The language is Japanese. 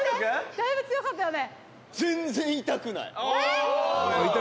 だいぶ強かったよね？」